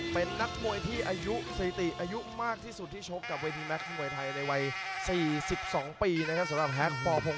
เป็นนักมวยที่อายุสวิติอายุมากที่สุดที่โชคกับวิทีแมคมวยไทยในวัย๔๒ปีนะครับ